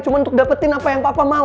cuma untuk dapetin apa yang papa mau